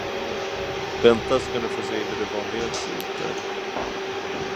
Vänta, ska ni få se hur det vanligen ser ut där.